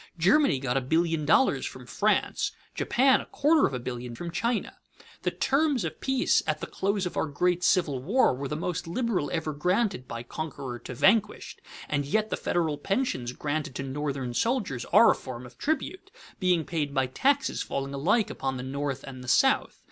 Germany got a billion dollars from France, Japan a quarter of a billion from China. The terms of peace at the close of our great Civil War were the most liberal ever granted by conqueror to vanquished; and yet the federal pensions granted to Northern soldiers are a form of tribute, being paid by taxes falling alike upon the North and the South.